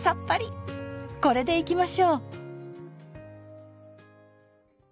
これでいきましょう。